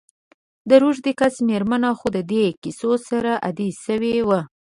د روږدې کس میرمن خو د دي کیسو سره عادي سوي وه.